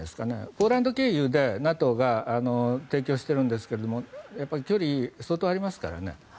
ポーランド経由でＮＡＴＯが提供しているんですが距離、相当ありますからね。